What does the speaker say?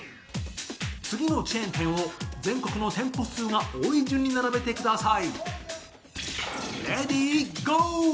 次のチェーン店を全国のチェーン店が多い順に並べてください。